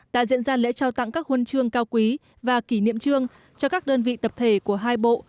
đã diễn ra lễ trao tặng các huân chương cao quý và kỷ niệm trương cho các đơn vị tập thể của hai bộ